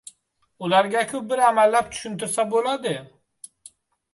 Ularga-ku bir amallab tushuntirsa bo‘ladi.